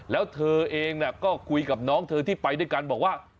แล้วเธอเองก็คุยกับน้องเธอที่ไปด้วยกันบอกว่า